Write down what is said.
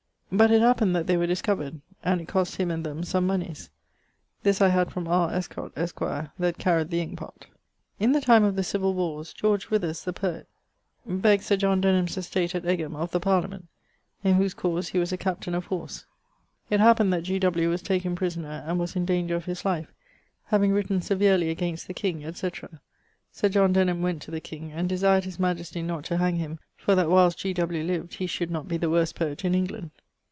But it happened that they were discovered, and it cost him and them some moneys. This I had from R. Estcott, esq., that carried the inke pott. In the time of the civill warres, George Withers, the poet, begged Sir John Denham's estate at Egham of the Parliament, in whose cause he was a captaine of horse. It that G. W. was taken prisoner, and was in danger of his life, having written severely against the king, &c. Sir John Denham went to the king, and desired his majestie not to hang him, for that whilest G. W. lived he should not be the worst poet in England.